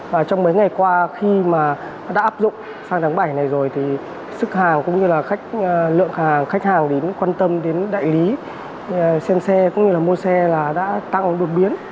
và trong mấy ngày qua khi mà đã áp dụng sang tháng bảy này rồi thì sức hàng cũng như là lượng khách hàng đến quan tâm đến đại lý trên xe cũng như là mua xe là đã tăng đột biến